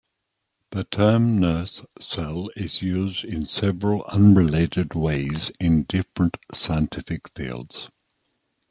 The term nurse cell is used in several unrelated ways in different scientific fields.